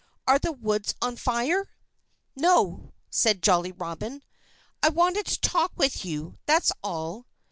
"Are the woods on fire?" "No!" said Jolly Robin. "I want to talk with you that's all."